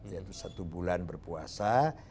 yaitu satu bulan berpuasa